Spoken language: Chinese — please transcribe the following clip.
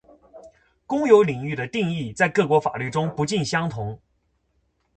公有领域的定义在各国法律中不尽相同